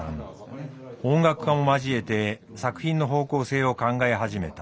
音楽家も交えて作品の方向性を考え始めた。